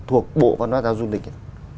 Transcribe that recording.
thuộc bộ văn hóa giao du lịch